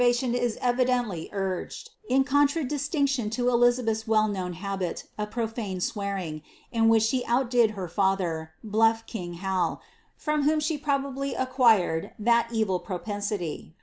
This obiervalioa is evidently urged in conlruliiiine tion lo Elizabeth's well known habit of profane swearing, in which stii outdid her father, bluff king Hal, from whom she probably aeqnireJ tht evil propensity.